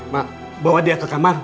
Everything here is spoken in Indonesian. mak bawa dia ke kamar